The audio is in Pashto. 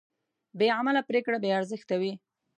بېعمله پرېکړه بېارزښته وي.